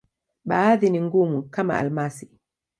Baadhi ni ngumu, kama almasi.